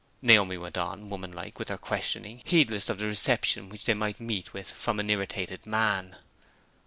Naomi went on, woman like, with her questioning, heedless of the reception which they might meet with from an irritated man.